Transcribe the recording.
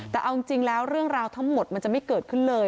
แต่เอาจริงแล้วเรื่องราวทั้งหมดมันจะไม่เกิดขึ้นเลย